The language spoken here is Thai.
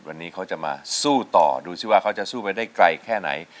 วันนี้เขาจะมาสู้ต่อดูสิว่าเขาจะสู้ไปได้ไกลแค่ไหน